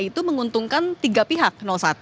itu menguntungkan tiga pihak satu